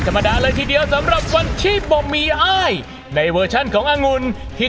และคะแนนที่พี่เวสป้าและพี่จิ้งหรีดขาวให้กับองุ่นคือ